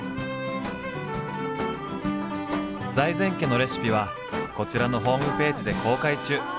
財前家のレシピはこちらのホームページで公開中。